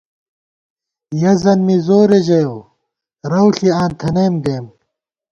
یَہ زَن می زورے ژَیَؤ، رَوݪی آں تھنَئیم گَئیم